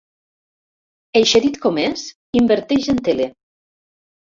Eixerit com és, inverteix en tele.